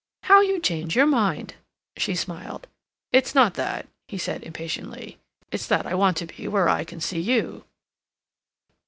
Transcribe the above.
"How you change your mind!" she smiled. "It's not that," he said impatiently. "It's that I want to be where I can see you."